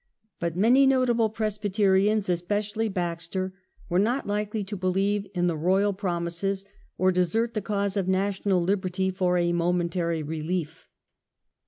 But many notable Presbyterians, especially Baxter, were not likely to believe in the royal promises or desert the cause of national liberty for a momentary relief.